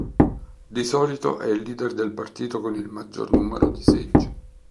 Di solito è il leader del partito con il maggior numero di seggi.